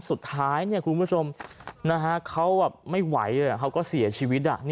สุดท้ายคุณผู้ชมเขาไม่ไหวเขาก็เสียชีวิต